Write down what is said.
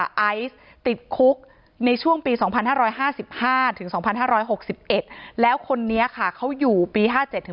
ไอซ์ติดคุกในช่วงปี๒๕๕๕ถึง๒๕๖๑แล้วคนนี้ค่ะเขาอยู่ปี๕๗ถึง